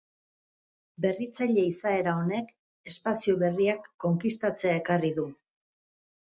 Berritzaile izaera honek espazio berriak konkistatzea ekarri du.